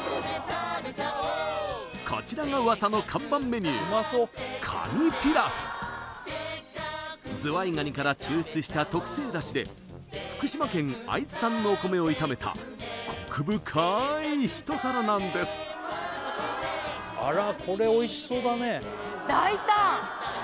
こちらが噂の看板メニューカニピラフズワイガニから抽出した特製出汁で福島県会津産のお米を炒めたコク深い一皿なんですあら